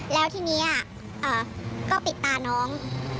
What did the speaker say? แล้วทีนี้ก็ปิดตาน้อง